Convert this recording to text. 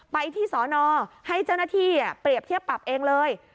ไปที่สอนอให้เจ้าหน้าที่เปรียบเทียบปรับเองเลย